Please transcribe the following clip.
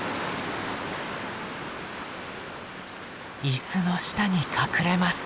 椅子の下に隠れます。